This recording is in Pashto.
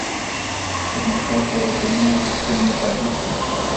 پرمختګ باید د نويو غوښتنو مطابق وي